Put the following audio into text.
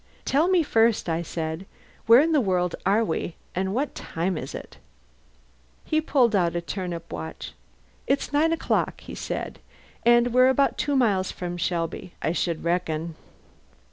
"Tell me first," I said, "where in the world are we, and what time is it?" He pulled out a turnip watch. "It's nine o'clock," he said, "and we're about two miles from Shelby, I should reckon.